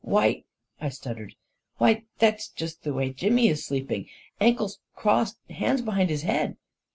" "Why," I stuttered, "why that's just the way Jimmy is sleeping — ankles crossed, hands behind his head